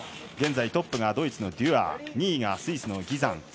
現在トップがドイツのデュアー２位がギザン。